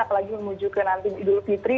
apalagi menuju ke nanti idul fitri